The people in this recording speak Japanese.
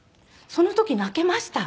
その時泣けました。